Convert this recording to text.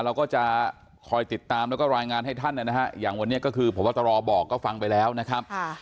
เราก็จะคอยติดตามแล้วก็รายงานให้ท่านนะฮะอย่างวันนี้ก็คือพบตรบอกก็ฟังไปแล้วนะครับ